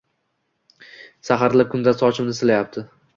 Saharlab kimdir sochimni silayapti